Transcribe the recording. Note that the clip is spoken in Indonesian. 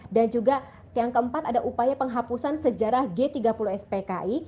dan juga yang keempat ada upaya penghapusan sejarah g tiga puluh spki